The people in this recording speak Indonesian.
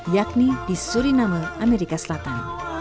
yakni di suriname amerika selatan